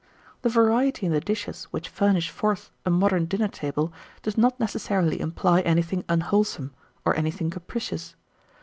1885. The variety in the dishes which furnish forth a modern dinner table, does not necessarily imply anything unwholesome, or anything capricious.